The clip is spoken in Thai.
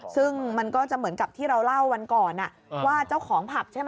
ซึ่งมันก็จะเหมือนกับที่เราเล่าวันก่อนว่าเจ้าของผับใช่ไหม